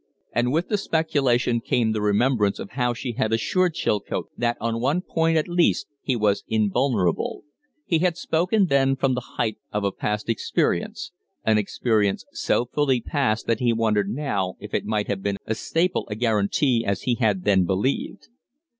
And with the speculation came the remembrance of how she had assured Chilcote that on one point, at least he was invulnerable. He had spoken then from the height of a past experience an experience so fully passed that he wondered now if it had been as staple a guarantee as he had then believed.